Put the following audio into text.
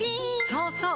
そうそう！